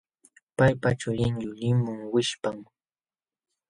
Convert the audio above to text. Paypa chulin yuliqmun wishpam.